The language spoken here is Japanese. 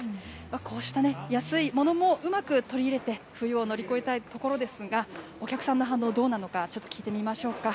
こうした、安いものもうまく取り入れて、冬を乗り越えたいところですが、お客さんの反応、どうなのか、ちょっと聞いてみましょうか。